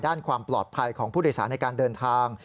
ด้านความปลอดภัยของผู้โดยสารในการเดินทาง